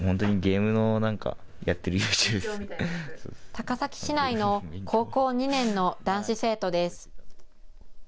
高崎市内の高校２年の男子生徒です。